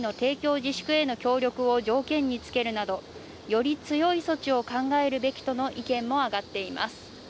自粛への協力を条件につけるなどより強い措置を考えるべきとの意見も上がっています。